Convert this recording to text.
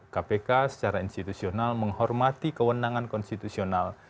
kpk secara institusional menghormati kewenangan konstitusional